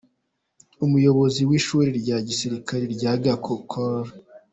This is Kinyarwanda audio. Umuyobozi w’ishuri rya gisirikare rya Gako, Col.